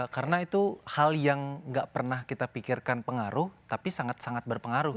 karena itu hal yang gak pernah kita pikirkan pengaruh tapi sangat sangat berpengaruh gitu